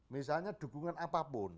misalnya dukungan apapun